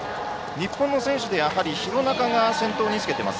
日本の選手、やはり廣中が先頭につけています。